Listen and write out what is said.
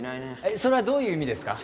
えっそれはどういう意味ですか？